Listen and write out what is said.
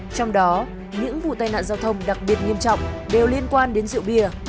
trong đó những vụ tai nạn giao thông đặc biệt nghiêm trọng đều liên quan đến rượu bia